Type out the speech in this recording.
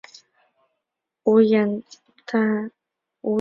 吴廷琰在枪林弹雨中差点被杀。